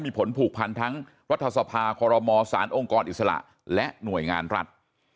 มีผลผูกพันทั้งรัฐสภาคอรมอสารองค์กรอิสระและหน่วยงานรัฐ